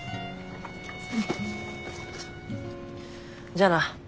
じゃあな。